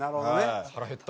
腹減った。